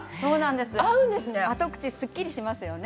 後味しっかりしますよね。